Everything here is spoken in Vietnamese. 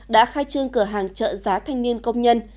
đã khai trương cửa hàng trợ giá thanh niên công nhân